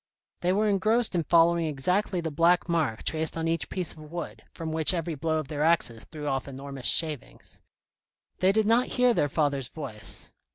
They were engrossed in following exactly the black mark traced on each piece of wood, from which every blow of their axes threw off enormous shavings. They did not hear their father's voice.